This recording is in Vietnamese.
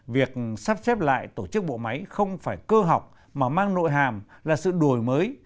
việc sắp xếp lại tổ chức bộ máy không phải cơ học mà mang nội hàm là sự đổi mới